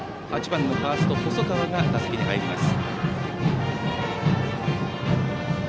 ８番のファースト、細川が打席に入ります。